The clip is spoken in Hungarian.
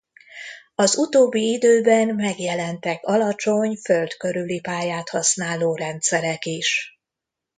Az utóbbi időben megjelentek alacsony Föld körüli pályát használó rendszerek is.